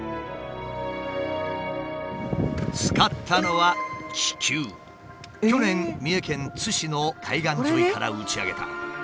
使ったのは去年三重県津市の海岸沿いから打ち上げた。